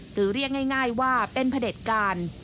หรือเรียกง่ายว่าเป็นพระเด็จการ